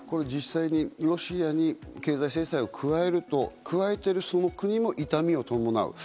実際ロシアに経済制裁を加えると加えているその国も痛みを伴う。